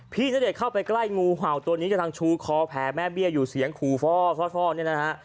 พี่ณเดชน์เข้าไปใกล้งูเห่าตัวนี้กำลังชูคอแพ้แม่เบี้ยอยู่เสียงคูฟอร์ซอสฟอร์